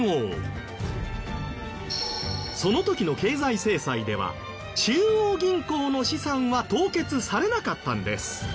その時の経済制裁では中央銀行の資産は凍結されなかったんです。